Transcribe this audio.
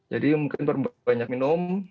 jadi mungkin banyak minum